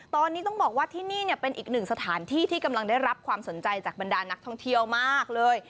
ตอนนี้ต้องบอกว่าที่นี่เป็นอีกหนึ่งสถานที่ที่กำลังได้รับความสนใจจากบรรดานักท่องเที่ยวมากเลย